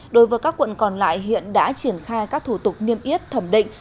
đối với các quận còn lại hiện đã triển khai các thủ tục niêm yết thẩm định